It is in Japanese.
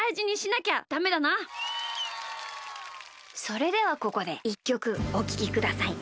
それではここで１きょくおききください。